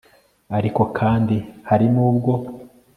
ariko kandi hari n'ubwo